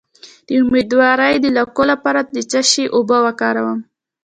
د امیدوارۍ د لکو لپاره د څه شي اوبه وکاروم؟